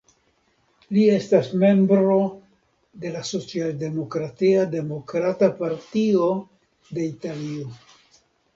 Li estas membro de la socialdemokratia Demokrata Partio de Italio.